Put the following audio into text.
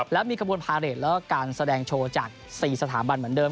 แล้วมีขบวนพาเรทแล้วก็การแสดงโชว์จาก๔สถาบันเหมือนเดิม